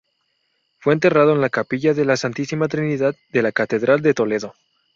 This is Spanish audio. Fue enterrado en la capilla de la Santísima Trinidad de la catedral de Toledo.